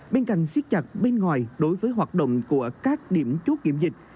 bên cạnh siết chặt bên ngoài đối với hoạt động của các điểm chốt kiểm dịch